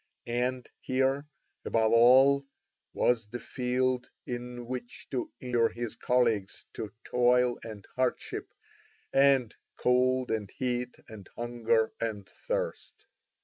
And here, above all, was the field in which to inure his colleagues to toil and hardship and cold and heat and hunger and thirst.